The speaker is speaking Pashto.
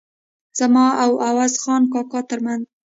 زما او عوض خان کاکا ترمنځ.